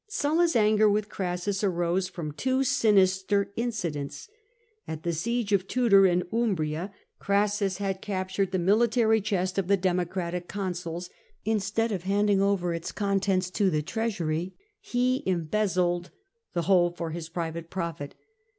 Sulla's anger with Crassus arose from two sinister incidents. At the siege of Tuder in Umbria, Crassus i68 CKASSUS had captured the military chest of the Democratic etinsnls i instead of handing over its contents to the treasury, he embezzled the whole for his private profit.